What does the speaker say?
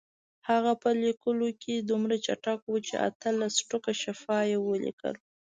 هغه په لیکلو کې دومره چټک و چې اتلس ټوکه شفا یې ولیکل.